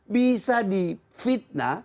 bisa di fitnah